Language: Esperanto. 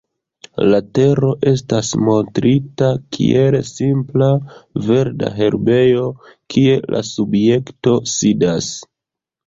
La tero estas montrita kiel simpla verda herbejo, kie la subjekto sidas.